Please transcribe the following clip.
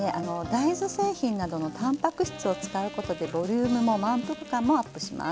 大豆製品などのたんぱく質を使うことでボリュームも満腹感もアップします。